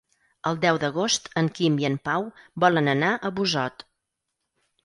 El deu d'agost en Quim i en Pau volen anar a Busot.